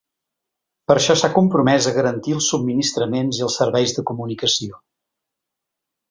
Per això s’ha compromès a garantir els subministraments i els serveis de comunicació.